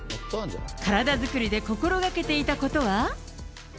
体作りで心がけていたことは？